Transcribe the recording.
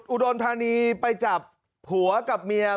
อุดรธานีไปจับผัวกับเมีย